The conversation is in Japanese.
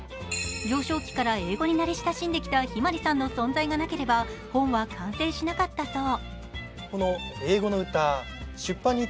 幼少期から英語に慣れ親しんできた向日葵さんの存在がなければ本は完成しなかったそう。